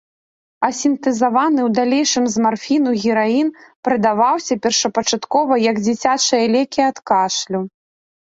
А сінтэзаваны ў далейшым з марфіну гераін прадаваўся першапачаткова як дзіцячыя лекі ад кашлю.